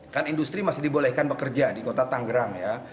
kan industri masih dibolehkan bekerja di kota tanggerang ya